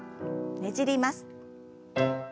ねじります。